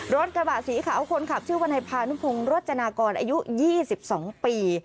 รถกระบะสีขาวคนขับชื่อวนายพานุพงศ์รจนากรอายุ๒๒ปี